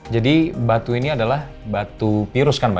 jadi batu ini adalah batu virus kan mbak